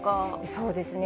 そうですね。